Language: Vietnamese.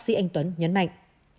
bác sĩ anh tuấn nhấn mạnh